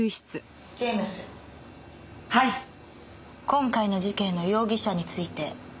今回の事件の容疑者について。